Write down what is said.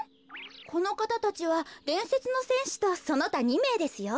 このかたたちはでんせつのせんしとそのた２めいですよ。